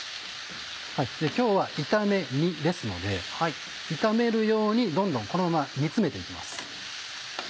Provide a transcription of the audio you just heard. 今日は炒め煮ですので炒めるようにどんどんこのまま煮詰めて行きます。